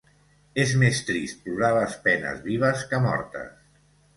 És més trist plorar les penes vives que mortes.